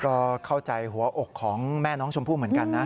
ก็เข้าใจหัวอกของแม่น้องชมพู่เหมือนกันนะ